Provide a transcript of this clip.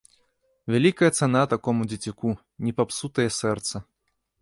Вялікая цана такому дзецюку, не папсутае сэрца.